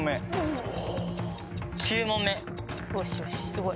すごい。